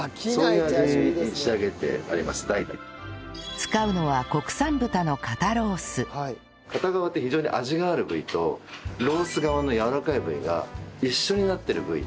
使うのは肩側って非常に味がある部位とロース側のやわらかい部位が一緒になってる部位で。